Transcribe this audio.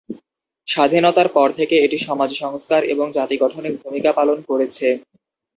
স্বাধীনতার পর থেকে এটি সমাজ সংস্কার এবং জাতি গঠনে ভূমিকা পালন করেছে।